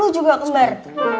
lu juga kembar